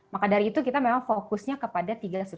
maka dari itu kita memang fokusnya kepada tiga